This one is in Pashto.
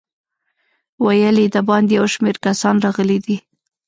ویل یې د باندې یو شمېر کسان راغلي دي.